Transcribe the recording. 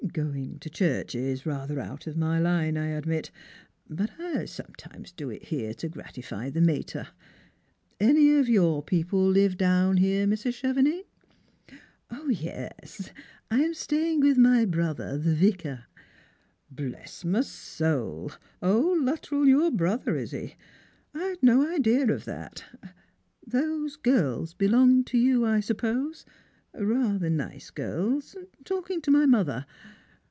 Going to church is rather out of my line, I admit; but I sometimes do it here to gratify the mater. Any of your people live down here, Mrs. Chevenix ?"" Yes ; I am staying with my brother, the Vicar."' " Bless my soul ! old Luttrell your brother, is he ? I had no idea of that. Those girls belong to you, I suppose ? rather nice girls — talking to my mother."